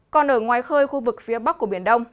còn ở ngoài khơi khu vực phía bắc của biển đông